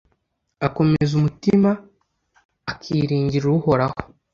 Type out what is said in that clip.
akomeza umutima akiringira uhoraho